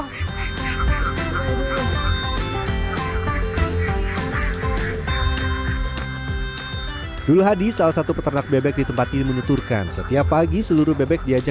dul hadi salah satu peternak bebek di tempat ini menuturkan setiap pagi seluruh bebek diajak